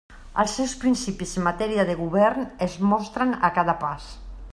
Els seus principis en matèria de govern es mostren a cada pas.